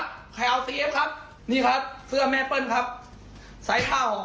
แจ็คอ้ายถ้าขายเสื้อถ้าถอดข้างล่างทำไม